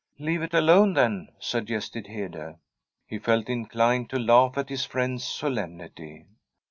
' Leave it alone, then,' suggested Hede. He felt inclined to laugh at his friend's solem nity.